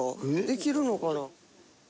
できるのかな？